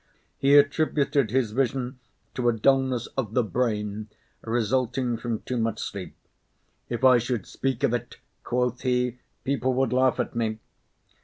He attributed his vision to a dullness of the brain resulting from too much sleep. "If I should speak of it," quoth he, "people would laugh at me."